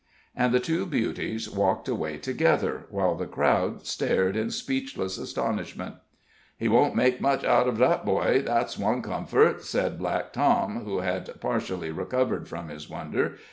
And the two beauties walked away together, while the crowd stared in speechless astonishment. "He won't make much out uv that boy, that's one comfort," said Black Tom, who had partially recovered from his wonder.